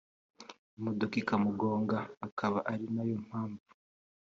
imodoka ikamugonga akaba arinayo mpamvu